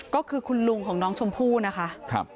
ก็คือคุณลุงของน้องชมพู่นะคะ